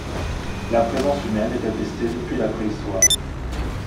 La présence humaine est attestée depuis la Préhistoire.